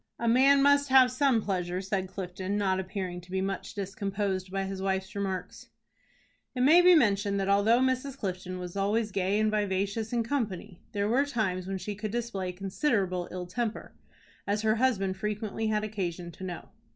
"A man must have some pleasure," said Clifton, not appearing to be much discomposed by his wife's remarks. It may be mentioned that although Mrs. Clifton was always gay and vivacious in company, there were times when she could display considerable ill temper, as her husband frequently had occasion to know.